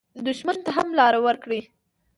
دښمن ته هم لار ورکړئ